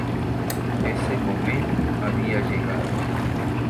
Ese momento había llegado.